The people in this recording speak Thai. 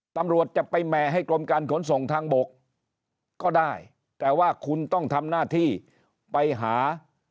ตำรวจจะไปแหม่ให้กรมการขนส่งทางบกก็ได้แต่ว่าคุณต้องทำหน้าที่ไปหา